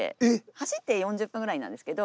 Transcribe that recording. ⁉走って４０分ぐらいなんですけど。